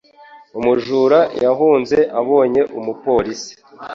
Umujura yahunze abonye umupolisi.